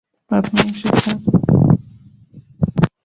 প্রাথমিক শিক্ষা ছয় বছর স্থায়ী হয়।